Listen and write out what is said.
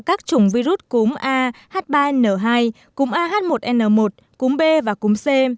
các chủng virus cúm a h ba n hai cúm a h một n một cúm b và cúm c